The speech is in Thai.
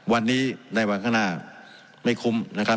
วันนี้ในวันข้างหน้าไม่คุ้มนะครับ